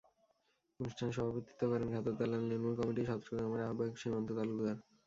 অনুষ্ঠানে সভাপতিত্ব করেন ঘাতক দালাল নির্মূল কমিটি চট্টগ্রামের আহ্বায়ক সীমান্ত তালুকদার।